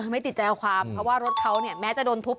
ไม่ติดใจเอาความเพราะว่ารถเขาเนี่ยแม้จะโดนทุบ